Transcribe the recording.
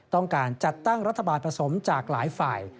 ต้องการจัดตั้งรัฐบาลผสมจากหลายฝ่าย